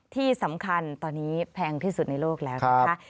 ที่สำคัญตอนนี้แพงที่สุดในโลกแล้วนะคะ